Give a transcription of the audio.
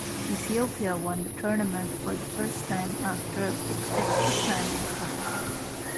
Ethiopia won the tournament for the first time after extra time in the final.